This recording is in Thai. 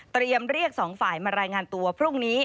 เรียกสองฝ่ายมารายงานตัวพรุ่งนี้